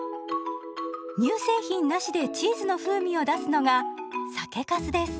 乳製品なしでチーズの風味を出すのが酒かすです。